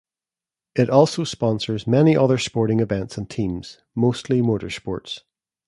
It also sponsors many other sporting events and teams, mostly motorsports.